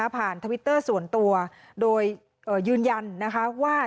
ทวิตเตอร์ส่วนตัวโดยยืนยันนะคะว่า